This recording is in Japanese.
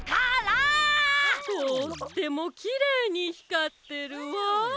とってもきれいにひかってるわ。